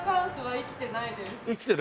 生きてない。